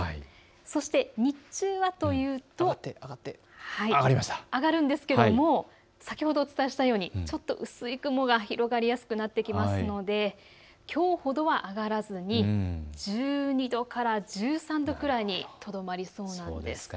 そして日中はというと上がるんですけれども先ほどお伝えしたように薄い雲が広がりやすくなってきますのできょうほどは上がらず１２度から１３度くらいにとどまりそうなんです。